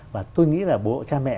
và tôi nghĩ là bố cha mẹ